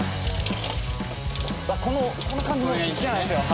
あっこの感じも好きなんですよ